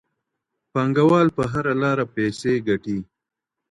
پانګه وال په هره لاره پیسې ګټي.